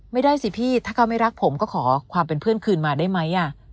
ไม่ได้สิพี่ถ้าเขาไม่รักผมก็ขอความเป็นเพื่อนคืนมาได้ไหม